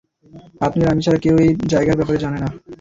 আপনি আর আমি ছাড়া কেউ এই জায়গার ব্যাপারে জানে না।